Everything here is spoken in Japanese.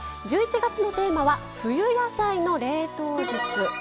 １１月のテーマは「冬野菜の冷凍術」。